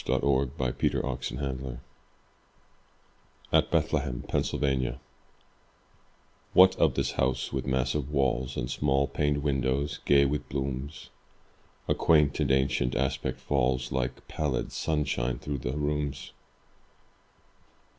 Sarah Orne Jewett The Widow's House (At Bethlehem, Pennsylvania) WHAT of this house with massive walls And small paned windows, gay with blooms? A quaint and ancient aspect falls Like pallid sunshine through the rooms.